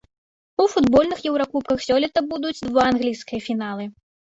У футбольных еўракубках сёлета будуць два англійскія фіналы.